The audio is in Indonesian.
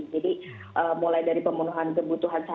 jadi mulai dari pembunuhan kebutuhan saham